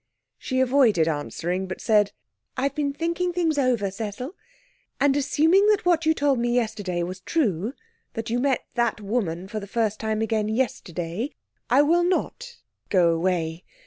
She avoided answering, but said, 'I've been thinking things over, Cecil, and assuming that what you told me yesterday was true that you met that woman for the first time again yesterday I will not go away.